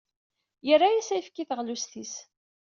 Yerra-as ayefki i teɣlust-is.